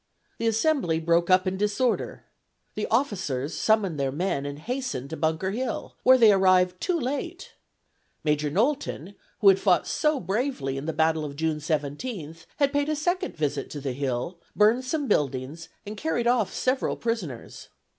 The assembly broke up in disorder. The officers summoned their men and hastened to Bunker Hill, where they arrived too late! Major Knowlton, who had fought so bravely in the battle of June 17th, had paid a second visit to the hill, burned some buildings and carried off several prisoners.